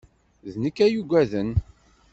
D nekk ay yugaden.